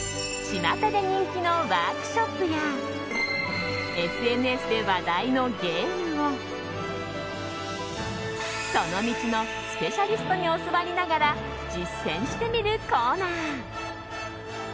ちまたで人気のワークショップやＳＮＳで話題のゲームをその道のスペシャリストに教わりながら実践してみるコーナー